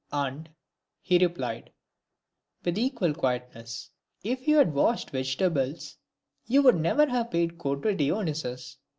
''" And," he replied, with equal quietness, "if you had washed vegetables, you would never have paid court to Dionysius."